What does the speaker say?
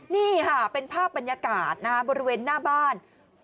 นี่ค่ะเป็นภาพบรรยากาศบริเวณหน้าบ้าน